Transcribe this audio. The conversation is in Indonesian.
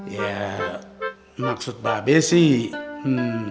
ya maksud be sih